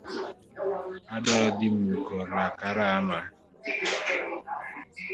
Adwaro dhi muko laka rama.